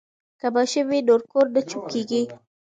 که ماشوم وي نو کور نه چوپ کیږي.